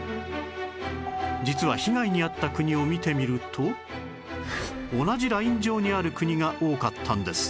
実は被害に遭った国を見てみると同じライン上にある国が多かったんです